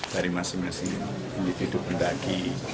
dari masing masing individu pendaki